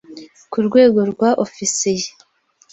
ku rwego rwa Ofisiye